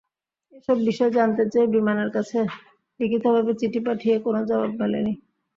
এসব বিষয়ে জানতে চেয়ে বিমানের কাছে লিখিতভাবে চিঠি পাঠিয়ে কোনো জবাব মেলেনি।